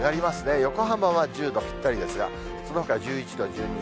横浜は１０度ぴったりですが、そのほか、１１度、１２度。